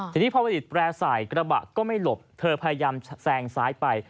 ทีนี้พอผลิตแปรใส่กระบะก็ไม่หลบเธอพยายามแซงซ้ายไป